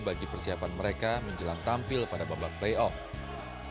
bagi persiapan mereka menjelang tampil pada babak playoff